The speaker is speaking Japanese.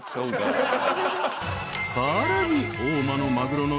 ［さらに］